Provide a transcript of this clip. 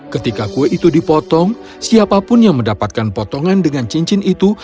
ketika kue itu dipotong siapapun yang mendapatkan potongan dengan cincin itu